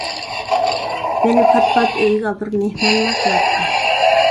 مېنى پات-پات ئۆيىگە ئاپىرىپ مېھمانمۇ قىلاتتى.